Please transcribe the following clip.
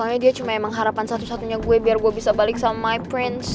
soalnya dia cuma emang harapan satu satunya gue biar gue bisa balik sama my prince